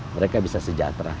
mereka bisa sejahtera